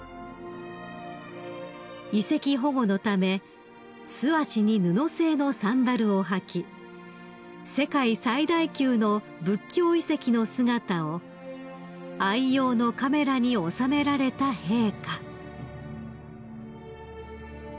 ［遺跡保護のため素足に布製のサンダルを履き世界最大級の仏教遺跡の姿を愛用のカメラに収められた陛下］